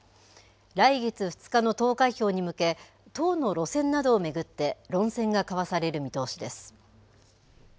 来月２日の投開票に向け党の路線などを巡って論戦が交わされる見通しです。